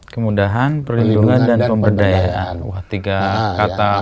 kemudahan perlindungan dan pemberdayaan wah tiga kata powerful kali ini ya